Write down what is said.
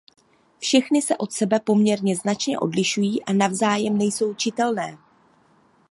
Všechny se od sebe poměrně značně odlišují a navzájem nejsou čitelné.